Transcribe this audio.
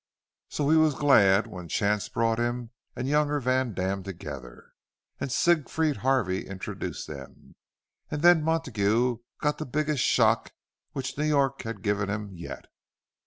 So he was glad when chance brought him and young Vandam together, and Siegfried Harvey introduced them. And then Montague got the biggest shock which New York had given him yet.